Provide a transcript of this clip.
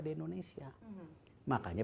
di indonesia makanya